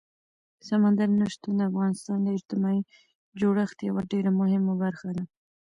سمندر نه شتون د افغانستان د اجتماعي جوړښت یوه ډېره مهمه برخه ده.